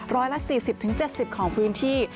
ร้อยละ๔๐๗๐ของพื้นที่